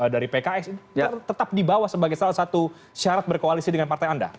dari pks tetap dibawa sebagai salah satu syarat berkoalisi dengan partai anda